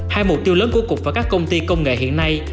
hai mục tiêu lớn của cục và các công ty công nghệ hiện nay